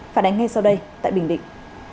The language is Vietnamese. phản ánh ngay sau đây tại bình định